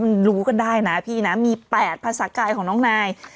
มันรู้กันได้นะพี่นะมี๘ภาษากายของน้องนาย